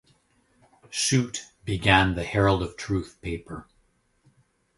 Shoot, began the "Herald of Truth" paper.